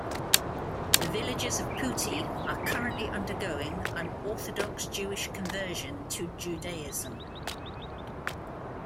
The villagers of Putti are currently undergoing an Orthodox Jewish conversion to Judaism.